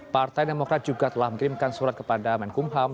partai demokrat juga telah mengirimkan surat kepada menkumham